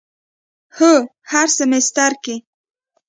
هو، هر سیمیستر کی